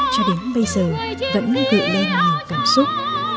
cho đến bây giờ vẫn gợi lên nhiều cảm xúc